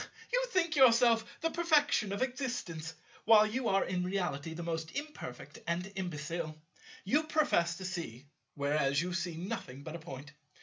You think yourself the perfection of existence, while you are in reality the most imperfect and imbecile. You profess to see, whereas you see nothing but a Point!